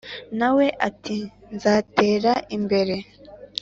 Nawe ati:”nzatera imbere”.